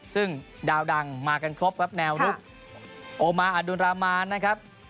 ซึ่งดาวดังมากันครบแนวลูกโอมาอัตโดนรามานนะครับ